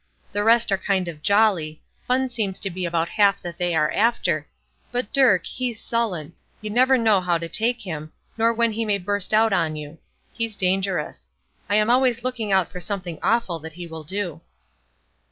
The rest are kind of jolly; fun seems to be about half that they are after; but Dirk, he's sullen; you never know how to take him, nor when he may burst out on you. He's dangerous. I am always looking out for something awful that he will do."